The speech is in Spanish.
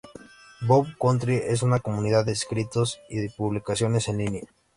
Book Country es una comunidad de escritos y publicaciones en línea.